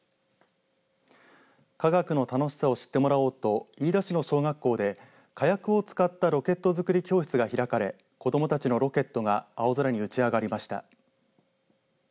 科学の楽しさを知ってもらおうと飯田市の小学校で火薬を使ったロケット作り教室が開かれ子どもたちのロケットが青空に打ち上がりました。